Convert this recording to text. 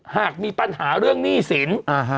หากมีปัญหาเรื่องหนี้สิน